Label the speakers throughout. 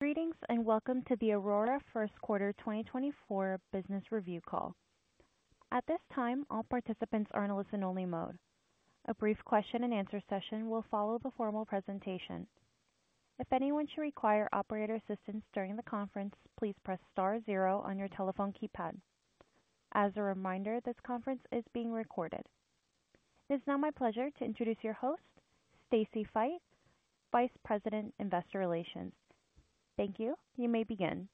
Speaker 1: ...Greetings, and welcome to the Aurora first quarter 2024 business review call. At this time, all participants are in listen-only mode. A brief question and answer session will follow the formal presentation. If anyone should require operator assistance during the conference, please press star zero on your telephone keypad. As a reminder, this conference is being recorded. It's now my pleasure to introduce your host, Stacy Feit, Vice President, Investor Relations. Thank you. You may begin.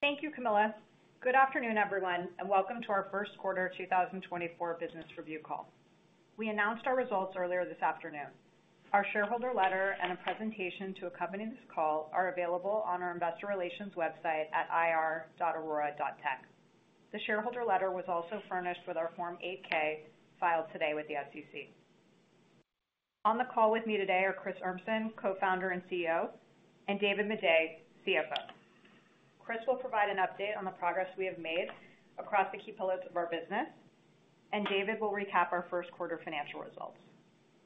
Speaker 2: Thank you, Camilla. Good afternoon, everyone, and welcome to our first quarter 2024 business review call. We announced our results earlier this afternoon. Our shareholder letter and a presentation to accompany this call are available on our investor relations website at ir.aurora.tech. The shareholder letter was also furnished with our Form 8-K filed today with the SEC. On the call with me today are Chris Urmson, Co-founder and CEO, and David Maday, CFO. Chris will provide an update on the progress we have made across the key pillars of our business, and David will recap our first quarter financial results.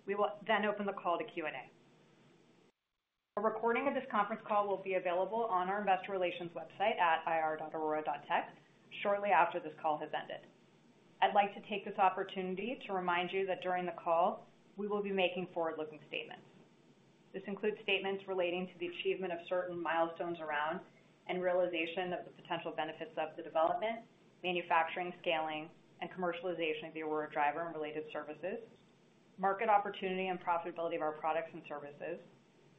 Speaker 2: We will then open the call to Q&A. A recording of this conference call will be available on our investor relations website at ir.aurora.tech shortly after this call has ended. I'd like to take this opportunity to remind you that during the call, we will be making forward-looking statements. This includes statements relating to the achievement of certain milestones around and realization of the potential benefits of the development, manufacturing, scaling, and commercialization of the Aurora Driver and related services, market opportunity and profitability of our products and services,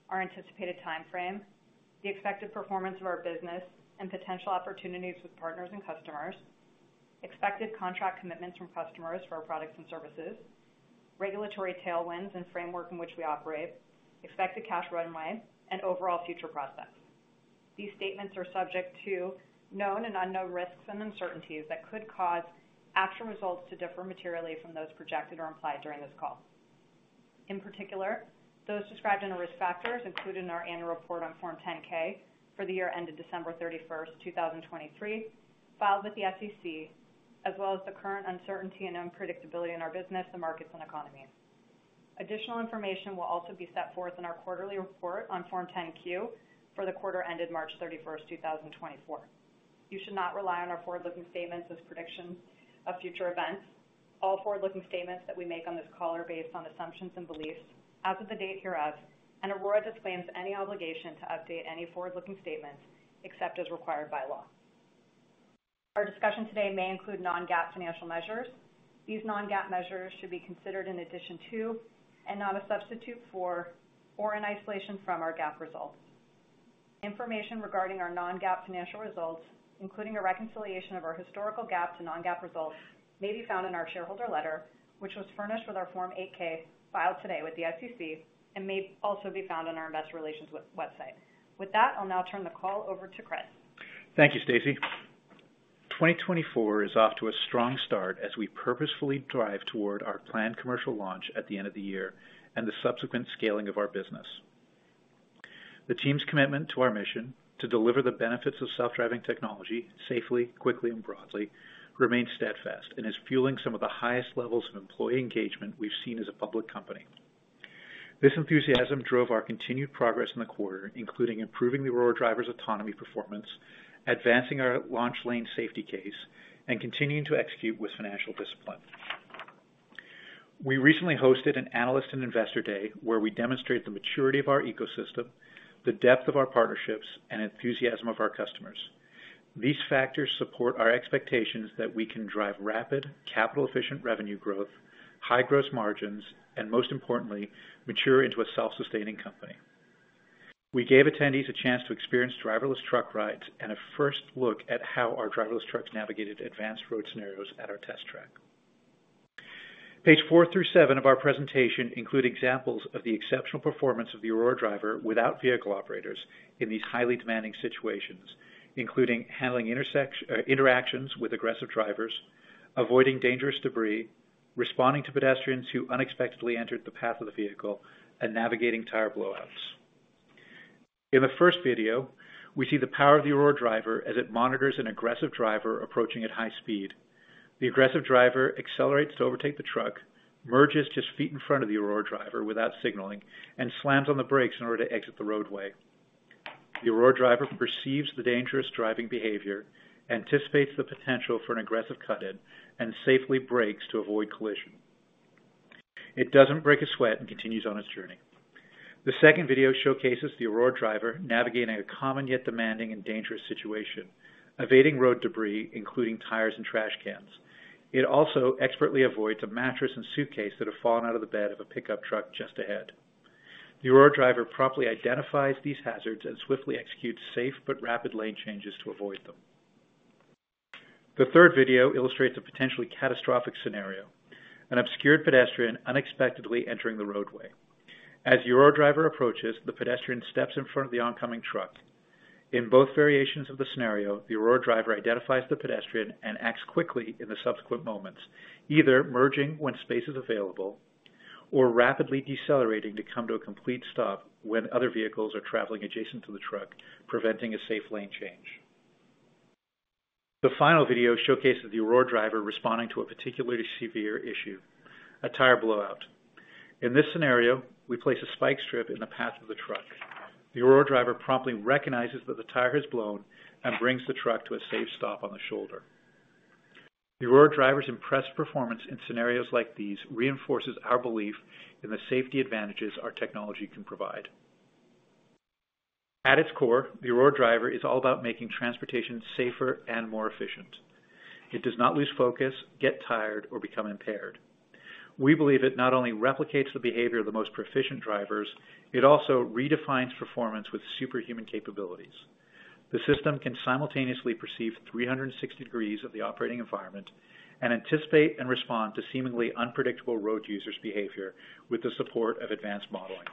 Speaker 2: our anticipated timeframe, the expected performance of our business, and potential opportunities with partners and customers, expected contract commitments from customers for our products and services, regulatory tailwinds and framework in which we operate, expected cash runway, and overall future prospects. These statements are subject to known and unknown risks and uncertainties that could cause actual results to differ materially from those projected or implied during this call. In particular, those described in the risk factors included in our annual report on Form 10-K for the year ended December 31, 2023, filed with the SEC, as well as the current uncertainty and unpredictability in our business, the markets and economy. Additional information will also be set forth in our quarterly report on Form 10-Q for the quarter ended March 31, 2024. You should not rely on our forward-looking statements as predictions of future events. All forward-looking statements that we make on this call are based on assumptions and beliefs as of the date hereof, and Aurora disclaims any obligation to update any forward-looking statements except as required by law. Our discussion today may include non-GAAP financial measures. These non-GAAP measures should be considered in addition to and not a substitute for, or in isolation from, our GAAP results. Information regarding our non-GAAP financial results, including a reconciliation of our historical GAAP to non-GAAP results, may be found in our shareholder letter, which was furnished with our Form 8-K filed today with the SEC and may also be found on our investor relations website. With that, I'll now turn the call over to Chris.
Speaker 3: Thank you, Stacy. 2024 is off to a strong start as we purposefully drive toward our planned commercial launch at the end of the year and the subsequent scaling of our business. The team's commitment to our mission to deliver the benefits of self-driving technology safely, quickly and broadly remains steadfast and is fueling some of the highest levels of employee engagement we've seen as a public company. This enthusiasm drove our continued progress in the quarter, including improving the Aurora Driver's autonomy, performance, advancing our Launch Lane Safety Case, and continuing to execute with financial discipline. We recently hosted an Analyst and Investor Day, where we demonstrated the maturity of our ecosystem, the depth of our partnerships, and enthusiasm of our customers. These factors support our expectations that we can drive rapid, capital efficient revenue growth, high gross margins, and most importantly, mature into a self-sustaining company. We gave attendees a chance to experience driverless truck rides and a first look at how our driverless trucks navigated advanced road scenarios at our test track. Page 4 through 7 of our presentation include examples of the exceptional performance of the Aurora Driver without vehicle operators in these highly demanding situations, including handling interactions with aggressive drivers, avoiding dangerous debris, responding to pedestrians who unexpectedly entered the path of the vehicle, and navigating tire blowouts. In the first video, we see the power of the Aurora Driver as it monitors an aggressive driver approaching at high speed. The aggressive driver accelerates to overtake the truck, merges just feet in front of the Aurora Driver without signaling, and slams on the brakes in order to exit the roadway. The Aurora Driver perceives the dangerous driving behavior, anticipates the potential for an aggressive cut-in, and safely brakes to avoid collision. It doesn't break a sweat and continues on its journey. The second video showcases the Aurora Driver navigating a common yet demanding and dangerous situation, evading road debris, including tires and trash cans. It also expertly avoids a mattress and suitcase that have fallen out of the bed of a pickup truck just ahead. The Aurora Driver promptly identifies these hazards and swiftly executes safe but rapid lane changes to avoid them. The third video illustrates a potentially catastrophic scenario: an obscured pedestrian unexpectedly entering the roadway. As the Aurora Driver approaches, the pedestrian steps in front of the oncoming truck. In both variations of the scenario, the Aurora Driver identifies the pedestrian and acts quickly in the subsequent moments, either merging when space is available or rapidly decelerating to come to a complete stop when other vehicles are traveling adjacent to the truck, preventing a safe lane change. The final video showcases the Aurora Driver responding to a particularly severe issue, a tire blowout. In this scenario, we place a spike strip in the path of the truck. The Aurora Driver promptly recognizes that the tire has blown and brings the truck to a safe stop on the shoulder. The Aurora Driver's impressive performance in scenarios like these reinforces our belief in the safety advantages our technology can provide. At its core, the Aurora Driver is all about making transportation safer and more efficient. It does not lose focus, get tired, or become impaired. We believe it not only replicates the behavior of the most proficient drivers, it also redefines performance with superhuman capabilities. The system can simultaneously perceive 360 degrees of the operating environment and anticipate and respond to seemingly unpredictable road users' behavior with the support of advanced modeling.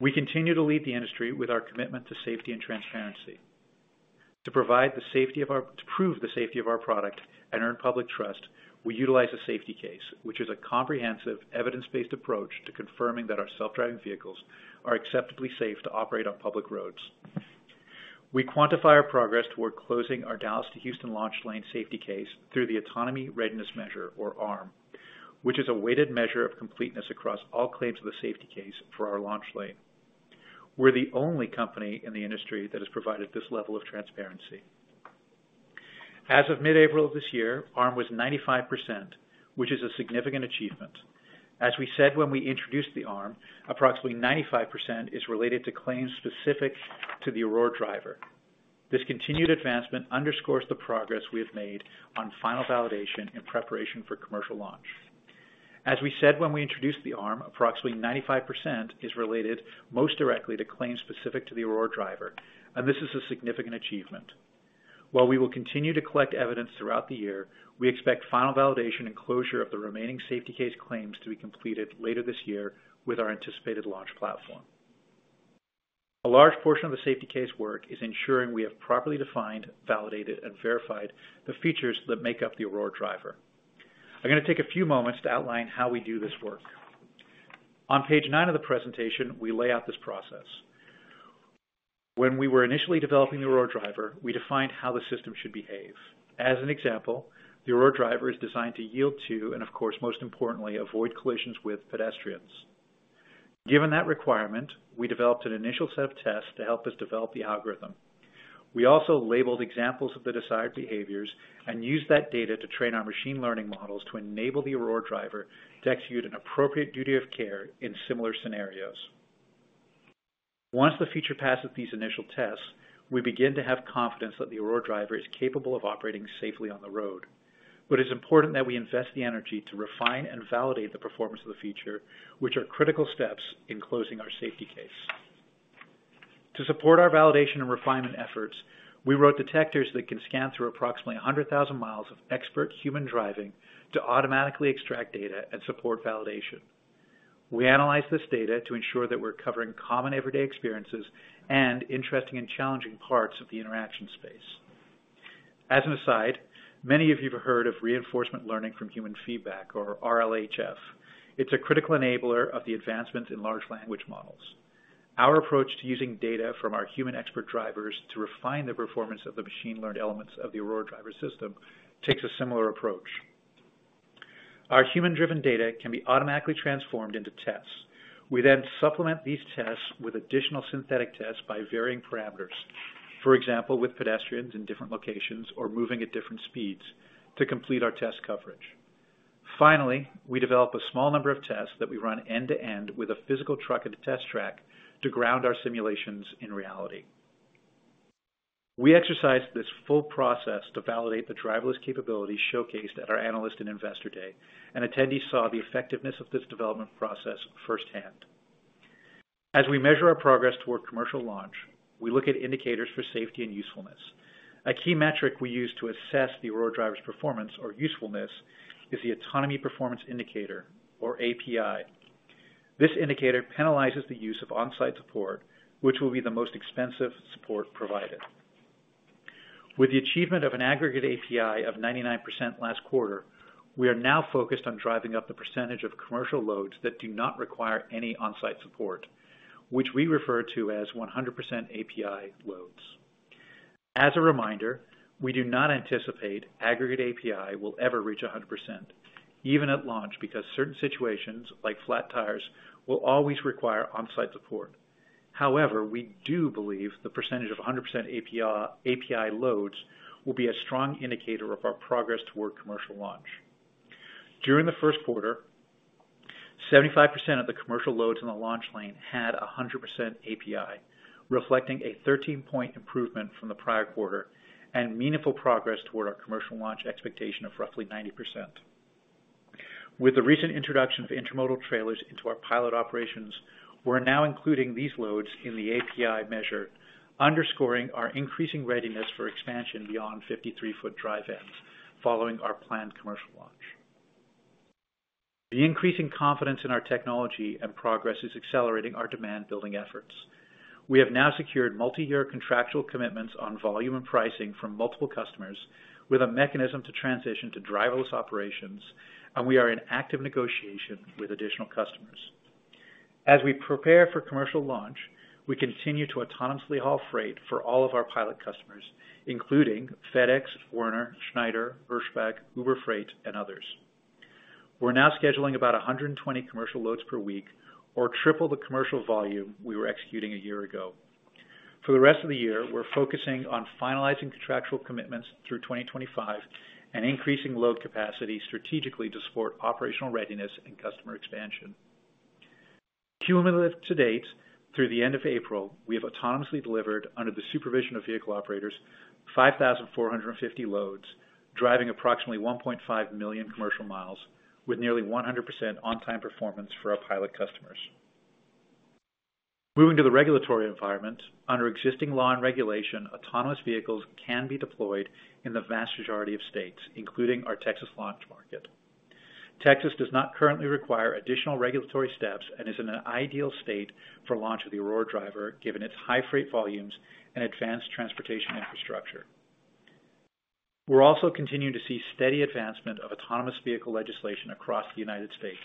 Speaker 3: We continue to lead the industry with our commitment to safety and transparency. To prove the safety of our product and earn public trust, we utilize a Safety Case, which is a comprehensive, evidence-based approach to confirming that our self-driving vehicles are acceptably safe to operate on public roads. We quantify our progress toward closing our Dallas to Houston Launch Lane Safety Case through the Autonomy Readiness Measure, or ARM, which is a weighted measure of completeness across all claims of the Safety Case for our Launch Lane. We're the only company in the industry that has provided this level of transparency. As of mid-April this year, ARM was 95%, which is a significant achievement. As we said when we introduced the ARM, approximately 95% is related to claims specific to the Aurora Driver. This continued advancement underscores the progress we have made on final validation in preparation for commercial launch. As we said when we introduced the ARM, approximately 95% is related most directly to claims specific to the Aurora Driver, and this is a significant achievement. While we will continue to collect evidence throughout the year, we expect final validation and closure of the remaining safety case claims to be completed later this year with our anticipated launch platform. A large portion of the safety case work is ensuring we have properly defined, validated, and verified the features that make up the Aurora Driver. I'm going to take a few moments to outline how we do this work. On page nine of the presentation, we lay out this process. When we were initially developing the Aurora Driver, we defined how the system should behave. As an example, the Aurora Driver is designed to yield to and, of course, most importantly, avoid collisions with pedestrians. Given that requirement, we developed an initial set of tests to help us develop the algorithm. We also labeled examples of the desired behaviors and used that data to train our machine learning models to enable the Aurora Driver to execute an appropriate duty of care in similar scenarios. Once the feature passes these initial tests, we begin to have confidence that the Aurora Driver is capable of operating safely on the road. But it's important that we invest the energy to refine and validate the performance of the feature, which are critical steps in closing our safety case. To support our validation and refinement efforts, we wrote detectors that can scan through approximately 100,000 miles of expert human driving to automatically extract data and support validation. We analyze this data to ensure that we're covering common everyday experiences and interesting and challenging parts of the interaction space. As an aside, many of you have heard of reinforcement learning from human feedback, or RLHF. It's a critical enabler of the advancements in large language models. Our approach to using data from our human expert drivers to refine the performance of the machine-learned elements of the Aurora Driver system takes a similar approach. Our human-driven data can be automatically transformed into tests. We then supplement these tests with additional synthetic tests by varying parameters, for example, with pedestrians in different locations or moving at different speeds, to complete our test coverage. Finally, we develop a small number of tests that we run end-to-end with a physical truck at a test track to ground our simulations in reality. We exercise this full process to validate the driverless capabilities showcased at our Analyst and Investor day, and attendees saw the effectiveness of this development process firsthand. As we measure our progress toward commercial launch, we look at indicators for safety and usefulness. A key metric we use to assess the Aurora Driver's performance or usefulness is the Autonomy Performance Indicator, or API. This indicator penalizes the use of on-site support, which will be the most expensive support provided. With the achievement of an aggregate API of 99% last quarter, we are now focused on driving up the percentage of commercial loads that do not require any on-site support, which we refer to as 100% API loads. As a reminder, we do not anticipate aggregate API will ever reach 100%, even at launch, because certain situations, like flat tires, will always require on-site support. However, we do believe the percentage of 100% API, API loads will be a strong indicator of our progress toward commercial launch. During the first quarter, 75% of the commercial loads in the Launch Lane had 100% API, reflecting a 13-point improvement from the prior quarter and meaningful progress toward our commercial launch expectation of roughly 90%. With the recent introduction of intermodal trailers into our pilot operations, we're now including these loads in the API measure, underscoring our increasing readiness for expansion beyond 53-foot dry vans following our planned commercial launch. The increasing confidence in our technology and progress is accelerating our demand building efforts. We have now secured multiyear contractual commitments on volume and pricing from multiple customers with a mechanism to transition to driverless operations, and we are in active negotiation with additional customers. As we prepare for commercial launch, we continue to autonomously haul freight for all of our pilot customers, including FedEx, Werner, Schneider, Hirschbach, Uber Freight, and others. We're now scheduling about 120 commercial loads per week, or triple the commercial volume we were executing a year ago. For the rest of the year, we're focusing on finalizing contractual commitments through 2025 and increasing load capacity strategically to support operational readiness and customer expansion. Cumulative to date, through the end of April, we have autonomously delivered under the supervision of vehicle operators, 5,450 loads, driving approximately 1.5 million commercial miles, with nearly 100% on-time performance for our pilot customers. Moving to the regulatory environment, under existing law and regulation, autonomous vehicles can be deployed in the vast majority of states, including our Texas launch market. Texas does not currently require additional regulatory steps and is in an ideal state for launch of the Aurora Driver, given its high freight volumes and advanced transportation infrastructure. We're also continuing to see steady advancement of autonomous vehicle legislation across the United States.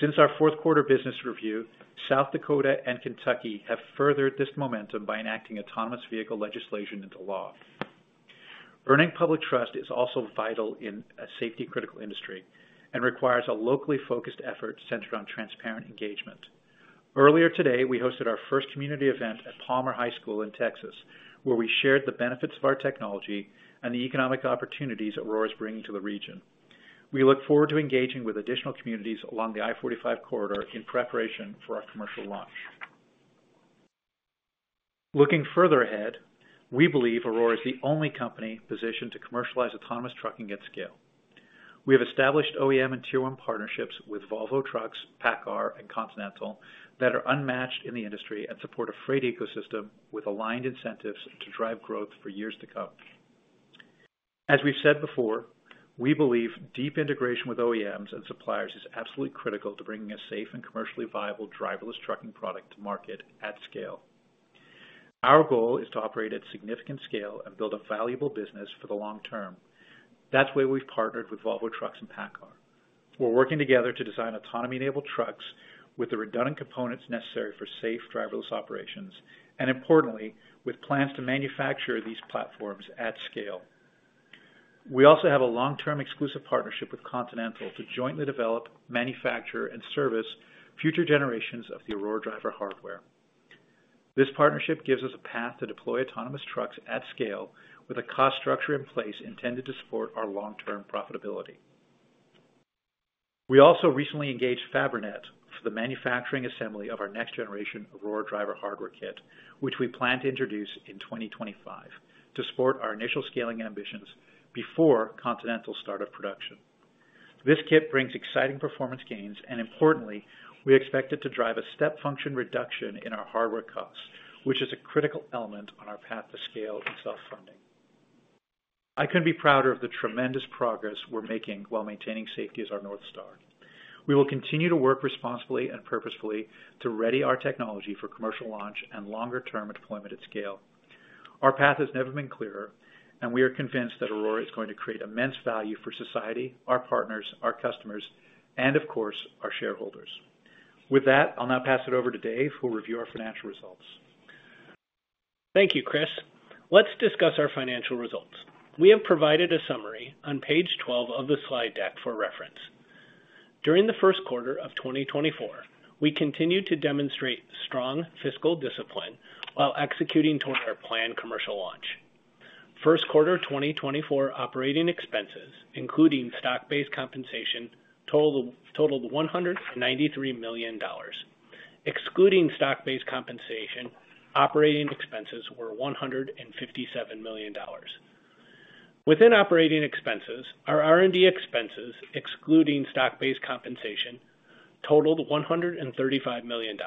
Speaker 3: Since our fourth quarter business review, South Dakota and Kentucky have furthered this momentum by enacting autonomous vehicle legislation into law. Earning public trust is also vital in a safety-critical industry and requires a locally focused effort centered on transparent engagement. Earlier today, we hosted our first community event at Palmer High School in Texas, where we shared the benefits of our technology and the economic opportunities that Aurora is bringing to the region. We look forward to engaging with additional communities along the I-45 Corridor in preparation for our commercial launch. Looking further ahead, we believe Aurora is the only company positioned to commercialize autonomous trucking at scale. We have established OEM and Tier one partnerships with Volvo Trucks, PACCAR, and Continental that are unmatched in the industry and support a freight ecosystem with aligned incentives to drive growth for years to come. As we've said before, we believe deep integration with OEMs and suppliers is absolutely critical to bringing a safe and commercially viable driverless trucking product to market at scale. Our goal is to operate at significant scale and build a valuable business for the long term. That's why we've partnered with Volvo Trucks and PACCAR. We're working together to design autonomy-enabled trucks with the redundant components necessary for safe driverless operations, and importantly, with plans to manufacture these platforms at scale. We also have a long-term exclusive partnership with Continental to jointly develop, manufacture, and service future generations of the Aurora Driver hardware. This partnership gives us a path to deploy autonomous trucks at scale, with a cost structure in place intended to support our long-term profitability. We also recently engaged Fabrinet for the manufacturing assembly of our next generation of Aurora Driver hardware kit, which we plan to introduce in 2025 to support our initial scaling ambitions before Continental start of production. This kit brings exciting performance gains, and importantly, we expect it to drive a step function reduction in our hardware costs, which is a critical element on our path to scale and self-funding. I couldn't be prouder of the tremendous progress we're making while maintaining safety as our North Star. We will continue to work responsibly and purposefully to ready our technology for commercial launch and longer-term deployment at scale. Our path has never been clearer, and we are convinced that Aurora is going to create immense value for society, our partners, our customers, and of course, our shareholders. With that, I'll now pass it over to Dave, who will review our financial results.
Speaker 4: Thank you, Chris. Let's discuss our financial results. We have provided a summary on page 12 of the slide deck for reference. During the first quarter of 2024, we continued to demonstrate strong fiscal discipline while executing toward our planned commercial launch. First quarter 2024 operating expenses, including stock-based compensation, totaled $193 million. Excluding stock-based compensation, operating expenses were $157 million. Within operating expenses, our R&D expenses, excluding stock-based compensation, totaled $135 million.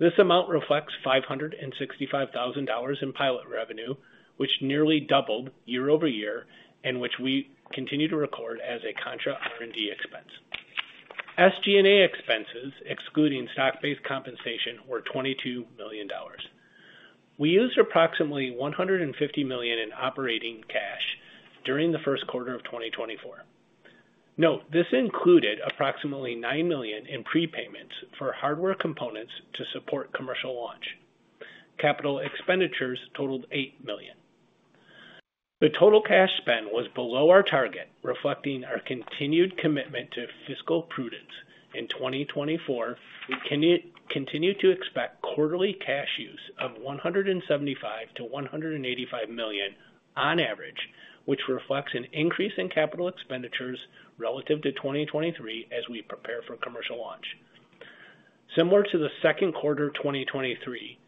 Speaker 4: This amount reflects $565,000 in pilot revenue, which nearly doubled year-over-year, and which we continue to record as a contra R&D expense. SG&A expenses, excluding stock-based compensation, were $22 million. We used approximately $150 million in operating cash during the first quarter of 2024. Note, this included approximately $9 million in prepayments for hardware components to support commercial launch. Capital expenditures totaled $8 million. The total cash spend was below our target, reflecting our continued commitment to fiscal prudence. In 2024, we continue to expect quarterly cash use of $175 million-$185 million on average, which reflects an increase in capital expenditures relative to 2023 as we prepare for commercial launch. Similar to the second quarter of 2023,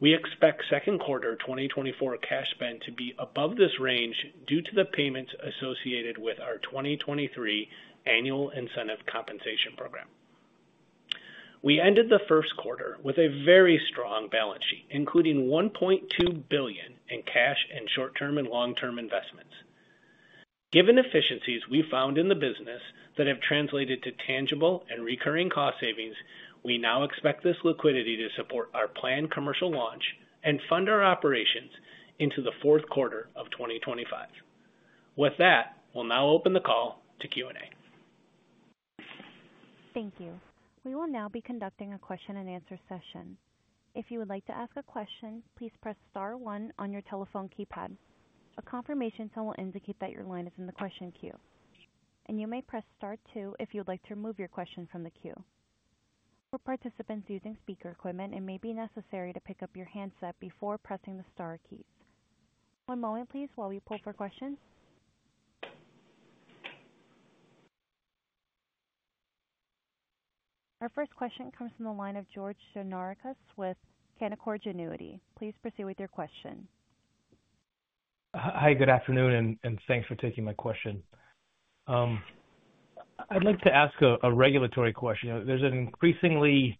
Speaker 4: we expect second quarter 2024 cash spend to be above this range due to the payments associated with our 2023 annual incentive compensation program. We ended the first quarter with a very strong balance sheet, including $1.2 billion in cash and short-term and long-term investments. Given efficiencies we found in the business that have translated to tangible and recurring cost savings, we now expect this liquidity to support our planned commercial launch and fund our operations into the fourth quarter of 2025. With that, we'll now open the call to Q&A.
Speaker 1: Thank you. We will now be conducting a question and answer session. If you would like to ask a question, please press star one on your telephone keypad. A confirmation tone will indicate that your line is in the question queue, and you may press star two if you'd like to remove your question from the queue. For participants using speaker equipment, it may be necessary to pick up your handset before pressing the star keys. One moment, please, while we pull for questions. Our first question comes from the line of George Gianarikas with Canaccord Genuity. Please proceed with your question.
Speaker 5: Hi, good afternoon, and thanks for taking my question. I'd like to ask a regulatory question. There's an increasingly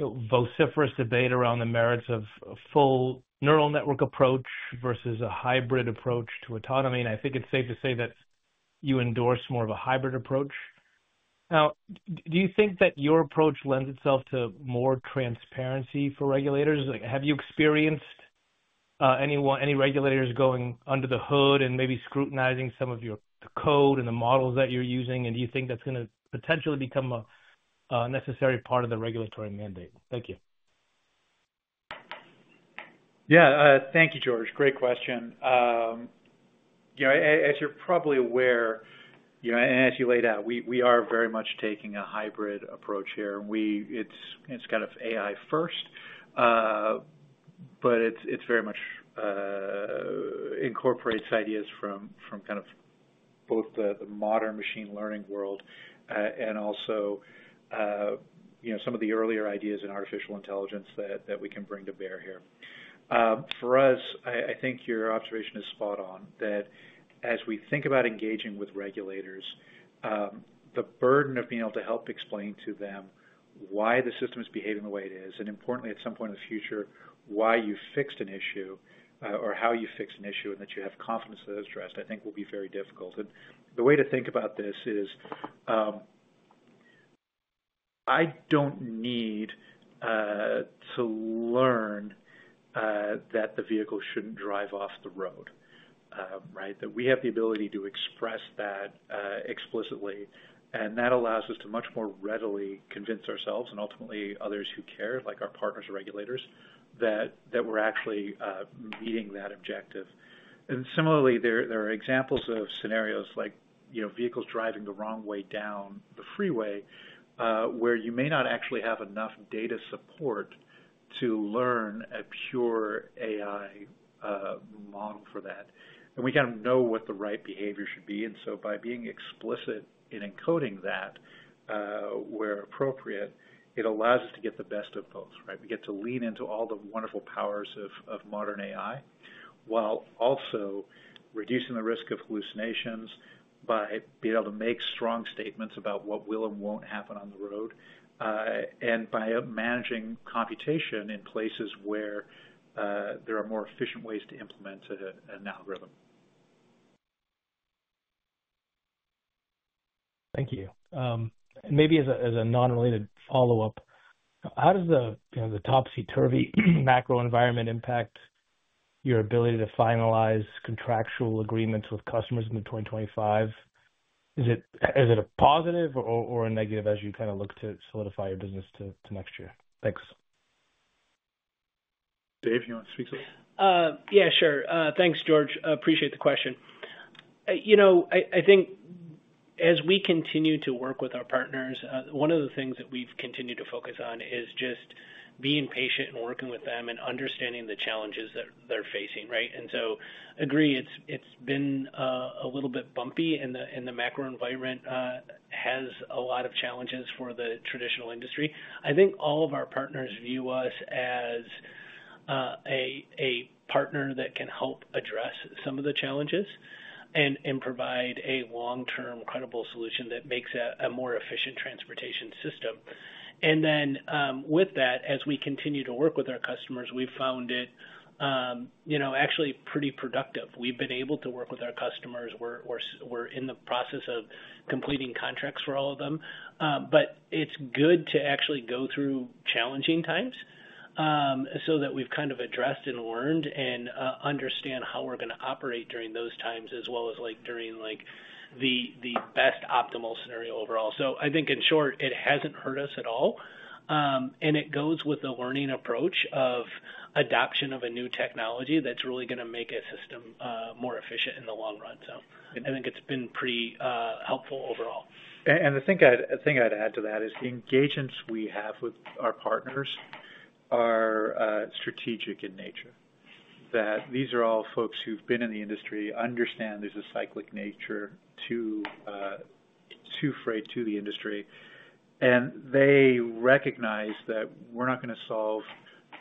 Speaker 5: vociferous debate around the merits of a full neural network approach versus a hybrid approach to autonomy. I think it's safe to say that you endorse more of a hybrid approach. Now, do you think that your approach lends itself to more transparency for regulators? Have you experienced anyone, any regulators going under the hood and maybe scrutinizing some of your code and the models that you're using? Do you think that's gonna potentially become a necessary part of the regulatory mandate? Thank you.
Speaker 3: Yeah. Thank you, George. Great question. You know, as you're probably aware, you know, and as you laid out, we are very much taking a hybrid approach here. It's kind of AI first, but it's very much incorporates ideas from kind of both the modern machine learning world and also, you know, some of the earlier ideas in artificial intelligence that we can bring to bear here. For us, I think your observation is spot on, that as we think about engaging with regulators, the burden of being able to help explain to them why the system is behaving the way it is, and importantly, at some point in the future, why you fixed an issue, or how you fixed an issue and that you have confidence that it was addressed, I think will be very difficult. The way to think about this is, I don't need to learn that the vehicle shouldn't drive off the road, right? That we have the ability to express that explicitly, and that allows us to much more readily convince ourselves and ultimately others who care, like our partners or regulators, that we're actually meeting that objective. And similarly, there are examples of scenarios like, you know, vehicles driving the wrong way down the freeway, where you may not actually have enough data support to learn a pure AI model for that. And we kind of know what the right behavior should be, and so by being explicit in encoding that, where appropriate, it allows us to get the best of both, right? We get to lean into all the wonderful powers of modern AI, while also reducing the risk of hallucinations by being able to make strong statements about what will and won't happen on the road, and by managing computation in places where there are more efficient ways to implement an algorithm.
Speaker 5: Thank you. And maybe as an unrelated follow-up, how does the, you know, topsy-turvy macro environment impact your ability to finalize contractual agreements with customers in 2025? Is it, is it a positive or, or a negative as you kind of look to solidify your business to, to next year? Thanks.
Speaker 3: Dave, you want to speak to this?
Speaker 4: Yeah, sure. Thanks, George. I appreciate the question. You know, I think as we continue to work with our partners, one of the things that we've continued to focus on is just being patient and working with them and understanding the challenges that they're facing, right? And so agree, it's been a little bit bumpy, and the macro environment has a lot of challenges for the traditional industry. I think all of our partners view us as a partner that can help address some of the challenges and provide a long-term, credible solution that makes a more efficient transportation system. And then, with that, as we continue to work with our customers, we've found it, you know, actually pretty productive. We've been able to work with our customers. We're in the process of completing contracts for all of them. But it's good to actually go through challenging times, so that we've kind of addressed and learned and understand how we're going to operate during those times, as well as like during like the best optimal scenario overall. So I think, in short, it hasn't hurt us at all. And it goes with the learning approach of adoption of a new technology that's really gonna make a system more efficient in the long run. So I think it's been pretty helpful overall.
Speaker 3: The thing I'd add to that is the engagements we have with our partners are strategic in nature. That these are all folks who've been in the industry, understand there's a cyclic nature to freight, to the industry. And they recognize that we're not gonna solve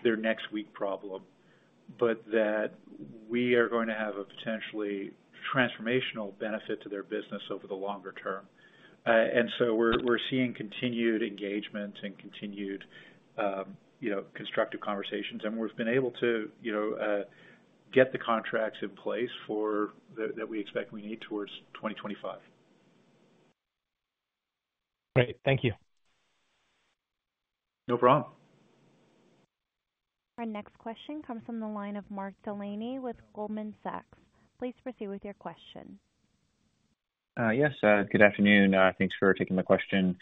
Speaker 3: their next week problem, but that we are going to have a potentially transformational benefit to their business over the longer term. And so we're seeing continued engagement and continued, you know, constructive conversations. And we've been able to, you know, get the contracts in place for that we expect we need towards 2025....
Speaker 5: Great. Thank you.
Speaker 3: No problem.
Speaker 1: Our next question comes from the line of Mark Delaney with Goldman Sachs. Please proceed with your question.
Speaker 6: Yes, good afternoon. Thanks for taking the question.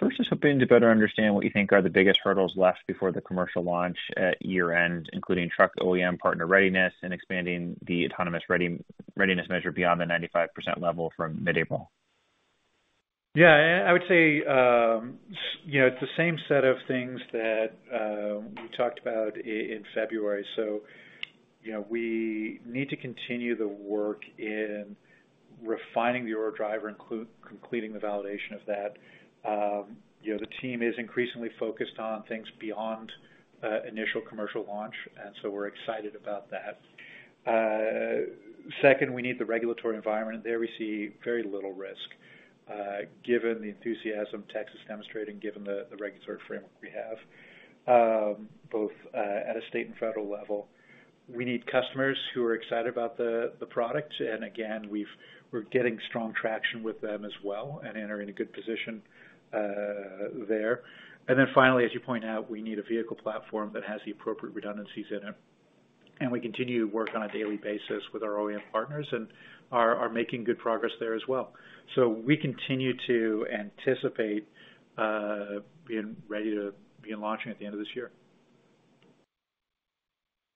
Speaker 6: First, just hoping to better understand what you think are the biggest hurdles left before the commercial launch at year-end, including truck OEM partner readiness, and expanding the autonomous readiness measure beyond the 95% level from mid-April.
Speaker 3: Yeah, I would say, you know, it's the same set of things that we talked about in February. So, you know, we need to continue the work in refining the Aurora Driver, including completing the validation of that. You know, the team is increasingly focused on things beyond initial commercial launch, and so we're excited about that. Second, we need the regulatory environment. There we see very little risk, given the enthusiasm Texas demonstrating, given the regulatory framework we have, both at a state and federal level. We need customers who are excited about the product, and again, we're getting strong traction with them as well and we're in a good position there. And then finally, as you point out, we need a vehicle platform that has the appropriate redundancies in it. We continue to work on a daily basis with our OEM partners and are making good progress there as well. We continue to anticipate being ready to begin launching at the end of this year.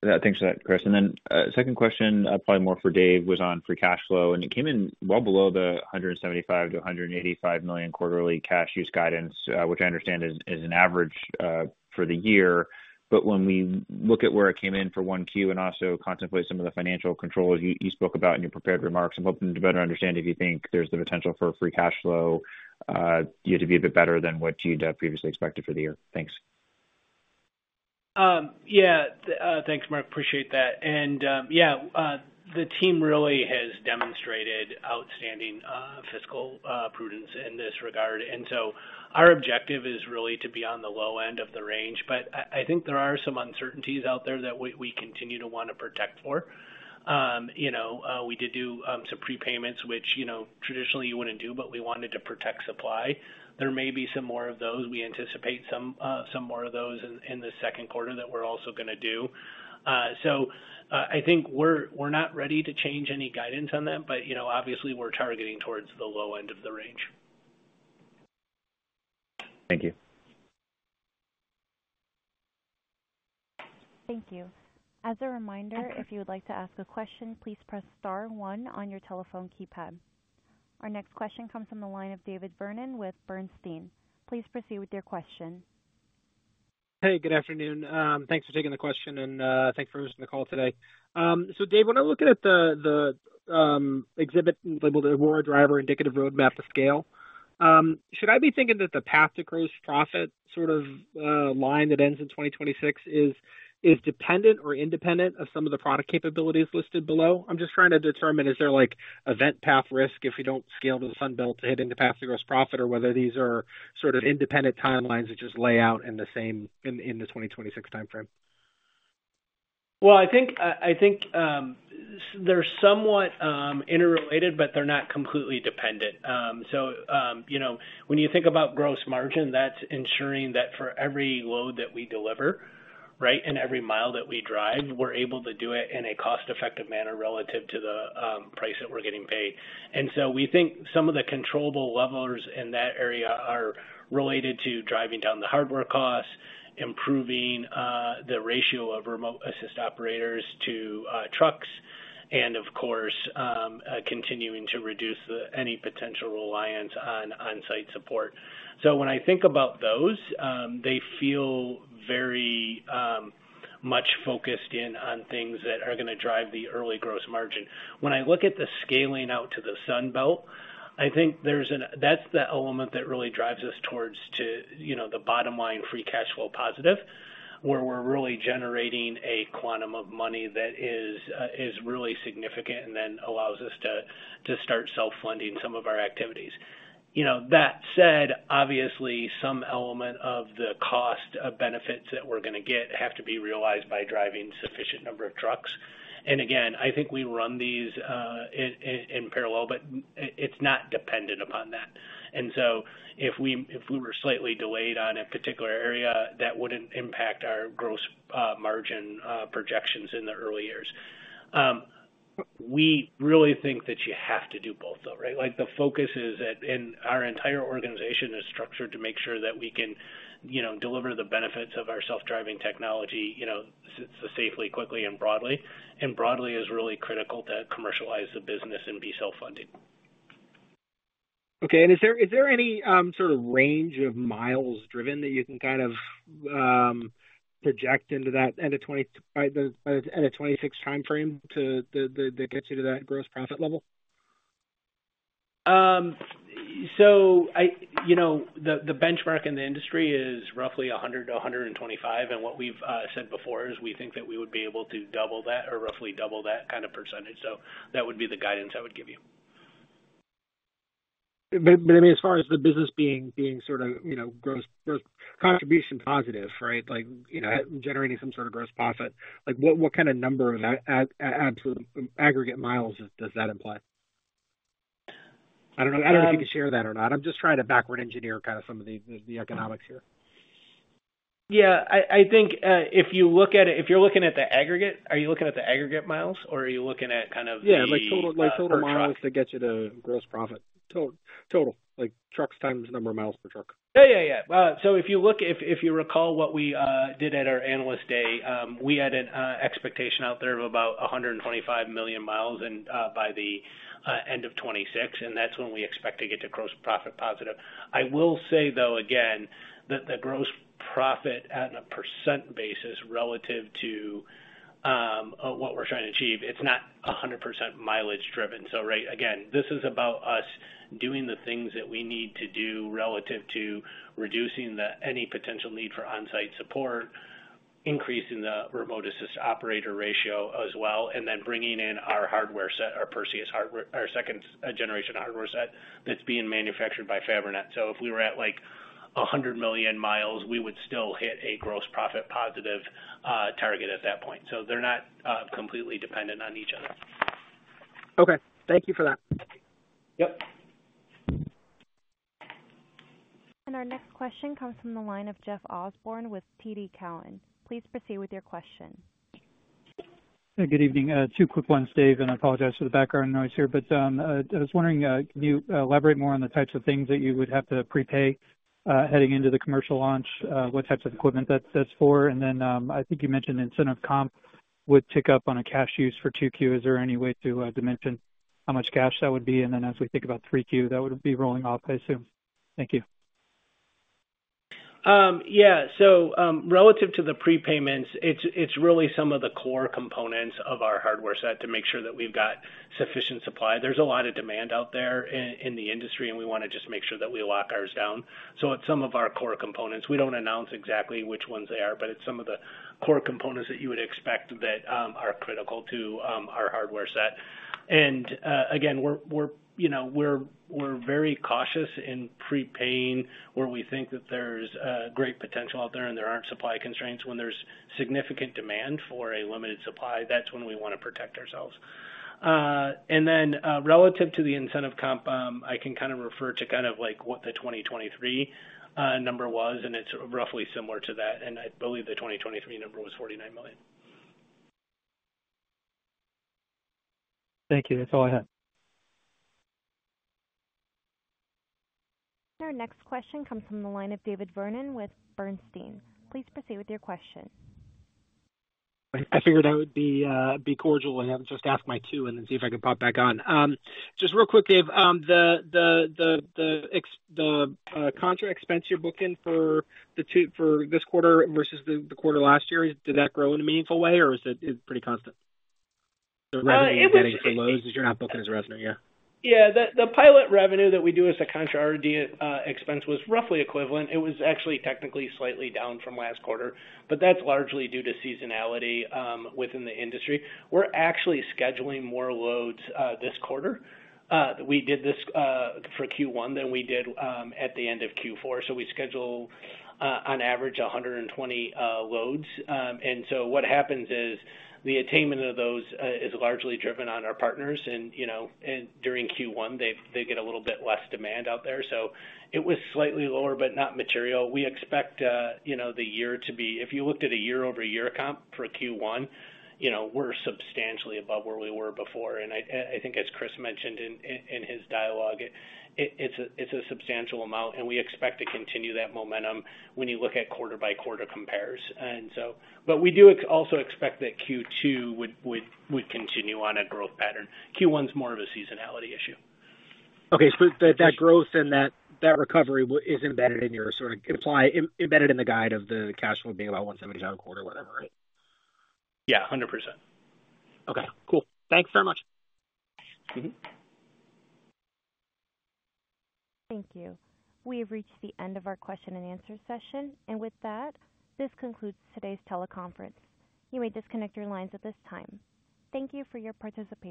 Speaker 6: Yeah. Thanks for that, Chris. And then, second question, probably more for Dave, was on free cash flow, and it came in well below the $175 million-$185 million quarterly cash use guidance, which I understand is an average for the year. But when we look at where it came in for 1Q and also contemplate some of the financial controls you spoke about in your prepared remarks, I'm hoping to better understand if you think there's the potential for free cash flow, you know, to be a bit better than what you'd previously expected for the year. Thanks.
Speaker 4: Yeah, thanks, Mark. Appreciate that. Yeah, the team really has demonstrated outstanding fiscal prudence in this regard. So our objective is really to be on the low end of the range, but I think there are some uncertainties out there that we continue to want to protect for. You know, we did do some prepayments, which, you know, traditionally you wouldn't do, but we wanted to protect supply. There may be some more of those. We anticipate some more of those in the second quarter that we're also gonna do. So, I think we're not ready to change any guidance on them, but, you know, obviously we're targeting towards the low end of the range.
Speaker 6: Thank you.
Speaker 1: Thank you. As a reminder, if you would like to ask a question, please press star one on your telephone keypad. Our next question comes from the line of David Vernon with Bernstein. Please proceed with your question.
Speaker 7: Hey, good afternoon. Thanks for taking the question and, thanks for hosting the call today. So, Dave, when I look at the exhibit labeled Aurora Driver Indicative Roadmap to Scale, should I be thinking that the path to gross profit, sort of, line that ends in 2026 is dependent or independent of some of the product capabilities listed below? I'm just trying to determine, is there, like, event path risk if you don't scale to the Sun Belt to hit in the path to gross profit or whether these are sort of independent timelines that just lay out in the same 2026 timeframe?
Speaker 4: Well, I think they're somewhat interrelated, but they're not completely dependent. So, you know, when you think about gross margin, that's ensuring that for every load that we deliver, right, and every mile that we drive, we're able to do it in a cost-effective manner relative to the price that we're getting paid. And so we think some of the controllable levers in that area are related to driving down the hardware costs, improving the ratio of remote assist operators to trucks, and of course, continuing to reduce any potential reliance on on-site support. So when I think about those, they feel very much focused in on things that are gonna drive the early gross margin. When I look at the scaling out to the Sun Belt, I think there's an... That's the element that really drives us towards to, you know, the bottom line, free cash flow positive, where we're really generating a quantum of money that is really significant and then allows us to, to start self-funding some of our activities. You know, that said, obviously, some element of the cost of benefits that we're gonna get have to be realized by driving sufficient number of trucks. And again, I think we run these in parallel, but it's not dependent upon that. And so if we, if we were slightly delayed on a particular area, that wouldn't impact our gross margin projections in the early years. We really think that you have to do both, though, right? Like, the focus is at, and our entire organization is structured to make sure that we can, you know, deliver the benefits of our self-driving technology, you know, safely, quickly, and broadly. And broadly is really critical to commercialize the business and be self-funding.
Speaker 7: Okay. And is there any sort of range of miles driven that you can kind of project into that end of 2026 timeframe to that gets you to that gross profit level?
Speaker 4: So, you know, the benchmark in the industry is roughly 100%-125%, and what we've said before is we think that we would be able to double that or roughly double that kind of percentage. So that would be the guidance I would give you.
Speaker 7: But I mean, as far as the business being sort of, you know, gross contribution positive, right? Like, you know, generating some sort of gross profit. Like, what kind of number of absolute aggregate miles does that imply?... I don't know if you can share that or not. I'm just trying to backward engineer kind of some of the economics here.
Speaker 4: Yeah, I, I think, if you look at it, if you're looking at the aggregate, are you looking at the aggregate miles or are you looking at kind of the-
Speaker 7: Yeah, like total, like total miles to get you to gross profit. Total, total, like trucks times the number of miles per truck.
Speaker 4: Yeah, yeah, yeah. So if you look, if you recall what we did at our Analyst Day, we had an expectation out there of about 125 million miles and by the end of 2026, and that's when we expect to get to gross profit positive. I will say, though, again, that the gross profit at a percent basis relative to what we're trying to achieve, it's not 100% mileage driven. So, right. Again, this is about us doing the things that we need to do relative to reducing any potential need for on-site support, increasing the remote assist operator ratio as well, and then bringing in our hardware set, our Perseus hardware, our second generation hardware set that's being manufactured by Fabrinet. So if we were at, like, 100 million miles, we would still hit a gross profit positive target at that point. So they're not completely dependent on each other.
Speaker 7: Okay. Thank you for that.
Speaker 4: Yep.
Speaker 1: Our next question comes from the line of Jeff Osborne with TD Cowen. Please proceed with your question.
Speaker 8: Good evening. Two quick ones, Dave, and I apologize for the background noise here. But I was wondering, can you elaborate more on the types of things that you would have to prepay, heading into the commercial launch? What types of equipment that's for? And then, I think you mentioned incentive comp would tick up on a cash use for 2Q. Is there any way to dimension how much cash that would be? And then as we think about 3Q, that would be rolling off, I assume. Thank you.
Speaker 4: Yeah. So, relative to the prepayments, it's really some of the core components of our hardware set to make sure that we've got sufficient supply. There's a lot of demand out there in the industry, and we wanna just make sure that we lock ours down. So it's some of our core components. We don't announce exactly which ones they are, but it's some of the core components that you would expect that are critical to our hardware set. And, again, we're, you know, we're very cautious in prepaying where we think that there's great potential out there and there aren't supply constraints. When there's significant demand for a limited supply, that's when we wanna protect ourselves. And then, relative to the incentive comp, I can kind of refer to kind of like what the 2023 number was, and it's roughly similar to that, and I believe the 2023 number was $49 million.
Speaker 8: Thank you. That's all I had.
Speaker 1: Our next question comes from the line of David Vernon with Bernstein. Please proceed with your question.
Speaker 7: I figured I would be cordial and just ask my two and then see if I can pop back on. Just real quick, Dave, the contract expense you're booking for this quarter versus the quarter last year, did that grow in a meaningful way, or is it pretty constant?
Speaker 4: It was-
Speaker 7: Is your not booking as a revenue, yeah?
Speaker 4: Yeah, the pilot revenue that we do as a contract R&D expense was roughly equivalent. It was actually technically slightly down from last quarter, but that's largely due to seasonality within the industry. We're actually scheduling more loads this quarter. We did this for Q1 than we did at the end of Q4. So we schedule on average 120 loads. And so what happens is the attainment of those is largely driven on our partners and, you know, and during Q1, they get a little bit less demand out there. So it was slightly lower, but not material. We expect, you know, the year to be... If you looked at a year-over-year comp for Q1, you know, we're substantially above where we were before. And I think as Chris mentioned in his dialogue, it's a substantial amount, and we expect to continue that momentum when you look at quarter-by-quarter compares. But we do also expect that Q2 would continue on a growth pattern. Q1 is more of a seasonality issue.
Speaker 7: Okay. So that growth and that recovery is embedded in your sort of implied, embedded in the guide of the cash flow being about $177 a quarter, whatever, right?
Speaker 4: Yeah, 100%.
Speaker 7: Okay, cool. Thanks very much.
Speaker 4: Mm-hmm.
Speaker 1: Thank you. We have reached the end of our question and answer session. With that, this concludes today's teleconference. You may disconnect your lines at this time. Thank you for your participation.